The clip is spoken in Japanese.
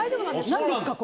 何ですか？